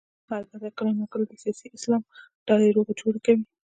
البته کله نا کله د سیاسي اسلام ډلې روغه جوړه کوي.